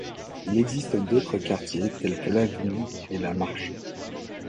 Il existe d'autres quartiers tels que L'Avenue et La Marjoux.